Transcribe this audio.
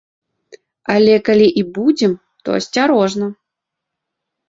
Але калі і будзем, то асцярожна!